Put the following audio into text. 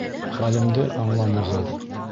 Хәлемде аңланығыҙ.